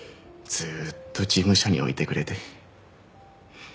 ずっと事務所に置いてくれて。